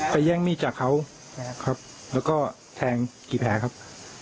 แย่งมีดจากเขาครับแล้วก็แทงกี่แผลครับ